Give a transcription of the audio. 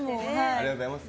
ありがとうございます。